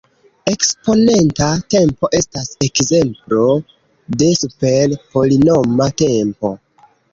Eksponenta tempo estas ekzemplo de super-polinoma tempo.